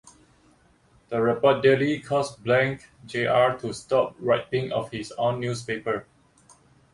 This reportedly caused Blank Jr to stop writing for his own newspaper.